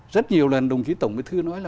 rất nhiều lần đồng chí tổng bí thư nói là